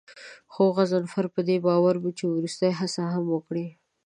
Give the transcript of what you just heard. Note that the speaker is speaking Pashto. خو غضنفر په دې باور و چې وروستۍ هڅه هم وکړو.